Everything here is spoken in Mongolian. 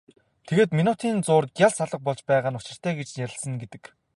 Тэгээд минутын зуур гялс алга болж байгаа нь учиртай гэж ярилцсан гэдэг.